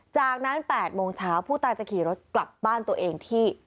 จากนั้น๘โมงเช้าผู้ตายจะขี่รถกลับบ้านตัวเองที่